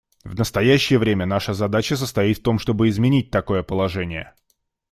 В настоящее время наша задача состоит в том, чтобы изменить такое положение.